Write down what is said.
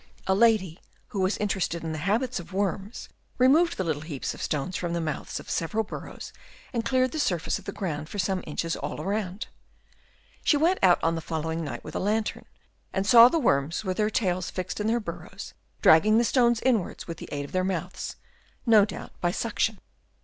A lady, who was in terested in the habits of worms, removed the little heaps of stones from the mouths of several burrows and cleared the surface of the ground for some inches all round. She went out on the following night with a lantern, and saw the worms with their tails fixed in their burrows, dragging the stones inwards by the aid of their mouths, no doubt by suction.